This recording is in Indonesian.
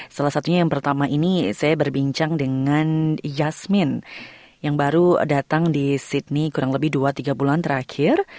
salah satunya yang pertama ini saya berbincang dengan yasmin yang baru datang di sydney kurang lebih dua tiga bulan terakhir